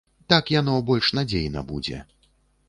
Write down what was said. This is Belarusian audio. Так яно больш надзейна будзе.